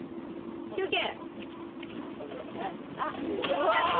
休憩。